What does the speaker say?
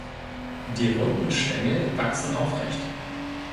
Die runden Stängel wachsen aufrecht.